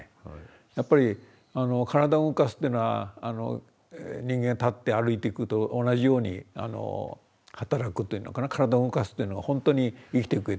やっぱり体を動かすっていうのは人間立って歩いていくと同じように働くというのかな体を動かすというのはほんとに生きていくうえで。